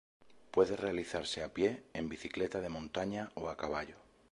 Puede realizarse a pie, en bicicleta de montaña o a caballo.